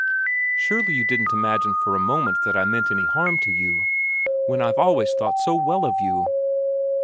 "Surely you didn't imagine for a moment that I meant any harm to you? When I've always thought so well of you!"